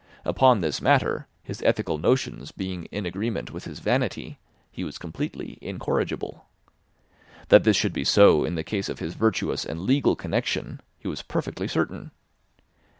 Upon this matter, his ethical notions being in agreement with his vanity, he was completely incorrigible. That this should be so in the case of his virtuous and legal connection he was perfectly certain.